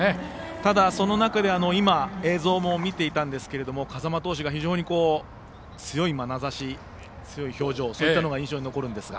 ただ、その中で今、映像も見ていたんですが風間投手の非常に強いまなざし強い表情、そういったものが印象に残ると思うんですが。